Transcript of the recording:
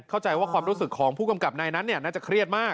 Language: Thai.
เข้าใจว่าความรู้สึกของผู้กำกับนายนั้นน่าจะเครียดมาก